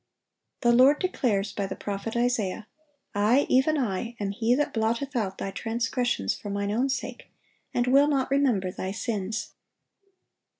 The Lord declares, by the prophet Isaiah, "I, even I, am He that blotteth out thy transgressions for Mine own sake, and will not remember thy sins."